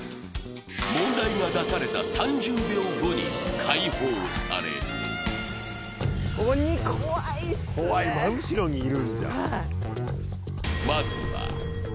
問題が出された３０秒後に解放される。